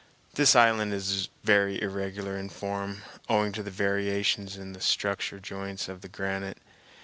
This island is very irregular in form, owing to the variations in the structure joints of the granite.